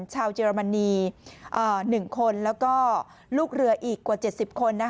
เยอรมนี๑คนแล้วก็ลูกเรืออีกกว่า๗๐คน